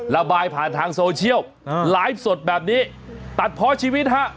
ระบายผ่านทางโซเชียลไลฟ์สดแบบนี้ตัดเพราะชีวิตฮะ